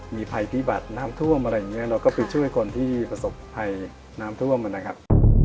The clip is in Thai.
มีภัยพิบัติน้ำท่วมอะไรอย่างนี้เราก็ไปช่วยคนที่ประสบภัยน้ำท่วมนะครับ